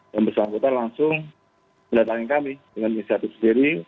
yang bersangkutan langsung mendatangi kami dengan inisiatif sendiri